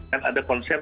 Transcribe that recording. dan ada konsep